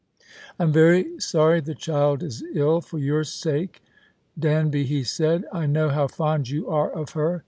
" I'm very sorry the chikl is ill, for your sake. Dauby," he said. " I know how fond you are of her."